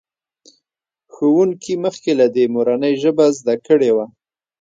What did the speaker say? ښوونکي مخکې له دې مورنۍ ژبه زده کړې وه.